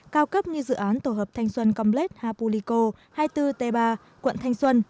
cao cấp như dự án tổ hợp thanh xuân camlet hapulico hai mươi bốn t ba quận thanh xuân